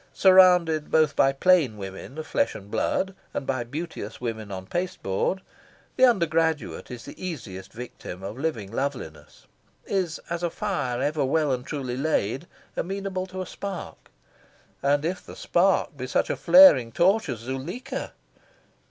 Surrounded both by plain women of flesh and blood and by beauteous women on pasteboard, the undergraduate is the easiest victim of living loveliness is as a fire ever well and truly laid, amenable to a spark. And if the spark be such a flaring torch as Zuleika?